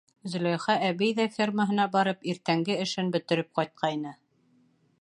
Зөләйха әбей ҙә, фермаһына барып, иртәнге эшен бөтөрөп ҡайтҡайны.